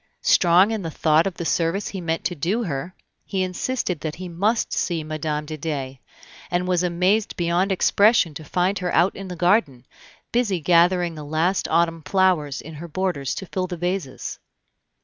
Strong in the thought of the service he meant to do her, he insisted that he must see Mme. de Dey, and was amazed beyond expression to find her out in the garden, busy gathering the last autumn flowers in her borders to fill the vases.